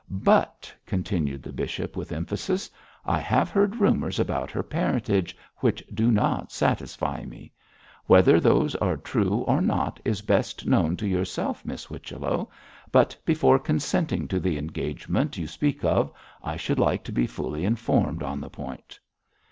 'But,' continued the bishop, with emphasis, 'I have heard rumours about her parentage which do not satisfy me. Whether these are true or not is best known to yourself, Miss Whichello; but before consenting to the engagement you speak of, I should like to be fully informed on the point.'